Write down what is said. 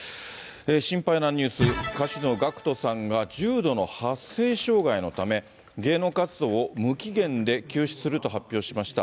心配なニュース、歌手のＧＡＣＫＴさんが重度の発声障害のため、芸能活動を無期限で休止すると発表しました。